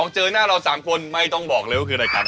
เจอหน้าเรา๓คนไม่ต้องบอกเลยว่าคือรายการ